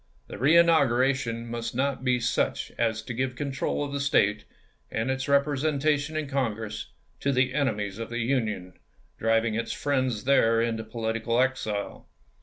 The reinauguration must not be such as to give control of the State, and its representation in Congress, to the enemies of the Union, driving its friends there into pohtical exile.